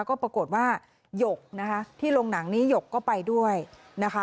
ก็ปรากฏว่าหยกนะคะที่ลงหนังนี้หยกก็ไปด้วยนะคะ